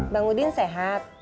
bang udin sehat